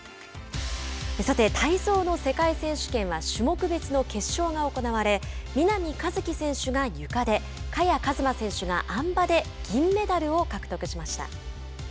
体操の世界選手権は種目別の決勝が行われ南一輝選手がゆかで萱和磨選手があん馬で銀メダルを獲得しました。